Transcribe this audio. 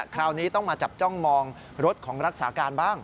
คราวนี้ต้องมาจับจ้องมองรถของรักษาการบ้าง